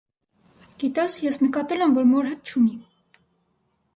- Գիտե՞ս, ես նկատել եմ, որ մոր հետ չունի…